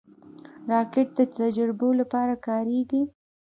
راکټ د تجربو لپاره کارېږي